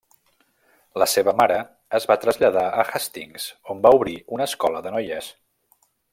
La seva mare es va traslladar a Hastings on va obrir una escola de noies.